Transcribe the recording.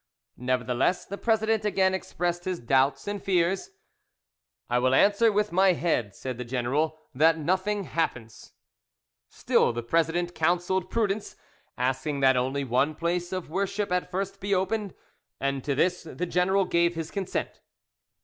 Nevertheless, the president again expressed his doubts and fears. "I will answer with my head," said the general, "that nothing happens." Still the president counselled prudence, asking that only one place of worship at first be opened, and to this the general gave his consent.